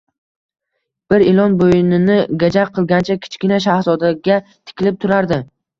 bir ilon bo‘ynini gajak qilgancha Kichkina shahzodaga tikilib turardi.